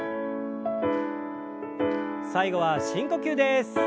最後は深呼吸です。